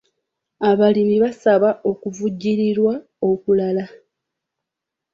Abalimi baasaba okuvujjirirwa okulala.